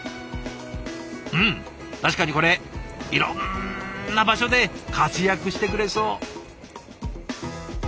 うん確かにこれいろんな場所で活躍してくれそう！